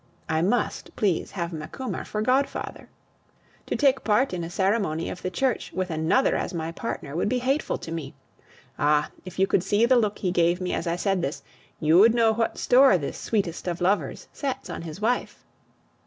I must, please, have Macumer for godfather. To take part in a ceremony of the Church with another as my partner would be hateful to me. Ah! if you could see the look he gave me as I said this, you would know what store this sweetest of lovers sets on his wife!